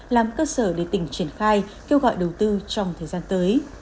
làm cơ sở để tỉnh triển khai kêu gọi đầu tư trong thời gian tới